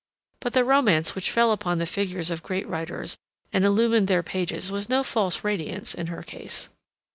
But the romance which fell upon the figures of great writers and illumined their pages was no false radiance in her case.